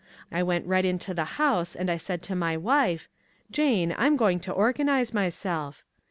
I went right in to the house and I said to my wife, "Jane, I'm going to organize myself."